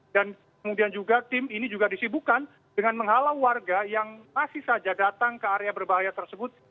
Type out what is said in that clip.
dan kemudian juga tim ini juga disibukan dengan menghalau warga yang masih saja datang ke area berbahaya tersebut